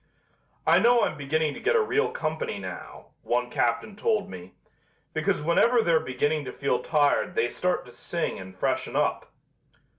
"I know I'm beginning to get a real company now," one captain told me, "because whenever they're beginning to feel tired they start to sing and freshen up."